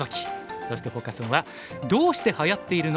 そしてフォーカス・オンは「どうしてはやっているの！？